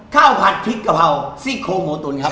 ผัดพริกกะเพราซี่โครงหมูตุ๋นครับ